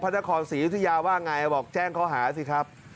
นครศรียุธยาว่าไงบอกแจ้งเขาหาสิครับ